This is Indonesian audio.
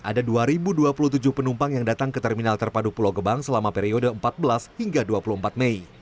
ada dua dua puluh tujuh penumpang yang datang ke terminal terpadu pulau gebang selama periode empat belas hingga dua puluh empat mei